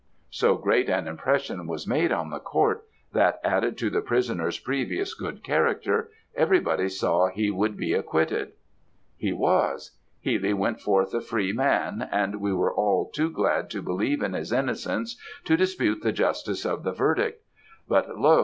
So great an impression was made on the court, that, added to the prisoner's previous good character, every body saw he would be acquitted. "He was; Healy went forth a free man, and we were all too glad to believe in his innocence, to dispute the justice of the verdict; but lo!